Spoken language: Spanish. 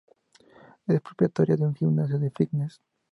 Es propietaria de un gimnasio de fitness.